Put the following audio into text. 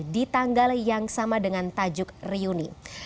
di tanggal yang sama dengan tajuk reuni